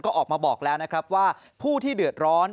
ก็ออกมาบอกแล้วนะครับว่าผู้ที่เดือดร้อน